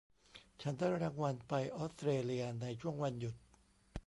ฉันได้รางวัลไปออสเตรเลียช่วงวันหยุด